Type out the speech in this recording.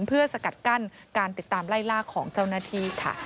เพื่อสกัดกั้นการติดตามไล่ล่าของเจ้าหน้าที่ค่ะ